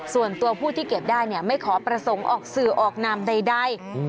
ส่วนตัวผู้ที่เก็บได้เนี่ยไม่ขอประสงค์ออกสื่อออกนามใด